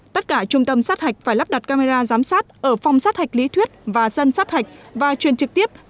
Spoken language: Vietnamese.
tất cả trung tâm sát hạch phải lắp đặt camera giám sát ở phòng sát hạch lý thuyết và dân sát hạch